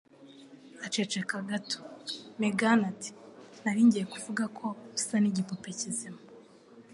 Aceceka gato Megan ati: "Nari ngiye kuvuga ko usa n'igipupe kizima."